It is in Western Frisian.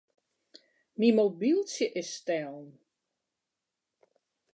Myn mobyltsje is stellen.